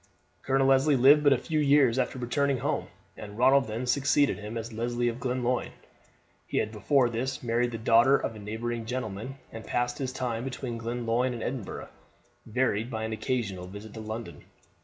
Colonel Leslie lived but a few years after returning home, and Ronald then succeeded him as Leslie of Glenlyon. He had before this married the daughter of a neighbouring gentleman, and passed his time between Glenlyon and Edinburgh, varied by an occasional visit to London.